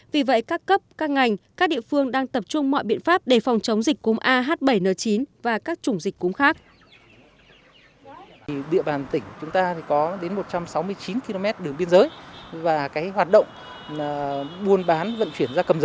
vì vậy các cấp các ngành các địa phương đang tập trung mọi biện pháp để phòng chống dịch cúm ah bảy n chín và các chủng dịch cúm khác